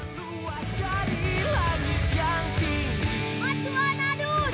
bukankan usaha manatmu dan kumperilah